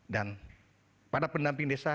dan pada pendamping desa